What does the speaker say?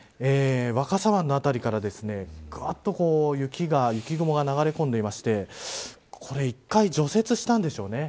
若狭湾の辺りから雪雲が流れ込んでいて１回、除雪したんでしょうね。